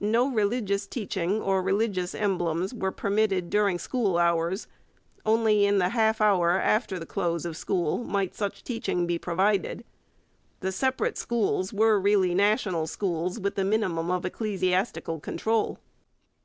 No religious teaching or religious emblems were permitted during school hours; only in the half hour after the close of school might such teaching be provided. The separate schools were really national schools with the minimum of ecclesiastical control.